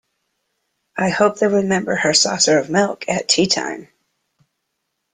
I hope they’ll remember her saucer of milk at tea-time.